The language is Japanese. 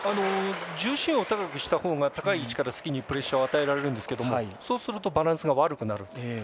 重心を高くしたほうが高い位置からスキーにプレッシャーを与えられるんですけどもそうすると、バランスが悪くなる。